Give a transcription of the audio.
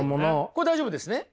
これ大丈夫ですね？